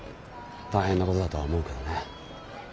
大変なことだとは思うけどね。